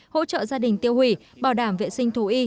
hỗ trợ gia đình tiêu hủy bảo đảm vệ sinh thú y